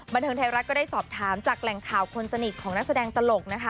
บันเทิงไทยรัฐก็ได้สอบถามจากแหล่งข่าวคนสนิทของนักแสดงตลกนะคะ